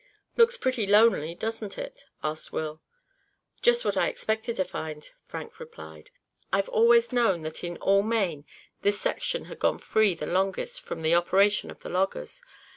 "Looks pretty lonely, doesn't it?" asked Will. "Just what I expected to find," Frank replied. "I've always known that in all Maine this section had gone free the longest from the operation of the loggers.